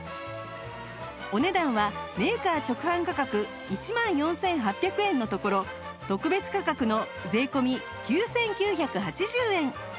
お値段はメーカー直販価格１万４８００円のところ特別価格の税込９９８０円